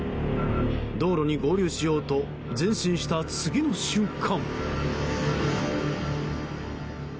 道路に合流しようと前進した次の瞬間。